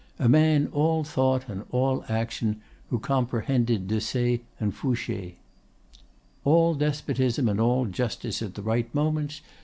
A man all thought and all action, who comprehended Desaix and Fouché." "All despotism and all justice at the right moments.